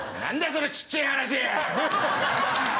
そのちっちぇ話！